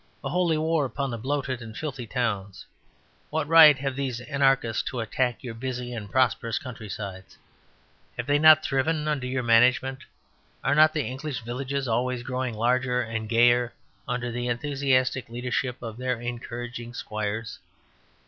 A holy war upon the bloated and filthy towns. What right have these anarchists to attack your busy and prosperous countrysides? Have they not thriven under your management? Are not the English villages always growing larger and gayer under the enthusiastic leadership of their encouraging squires?